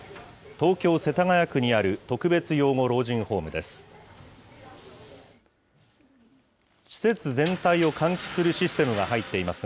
東京・世田谷区にある特別養護老人ホームです。